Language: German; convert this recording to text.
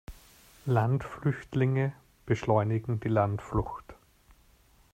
Landflüchtlinge beschleunigen die Landflucht.